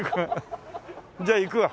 じゃあ行くわ。